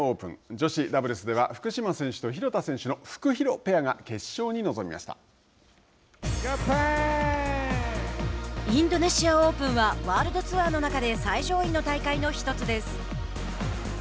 女子ダブルスでは福島選手と廣田選手のフクヒロペアがインドネシアオープンはワールドツアーの中で最上位の大会の１つです。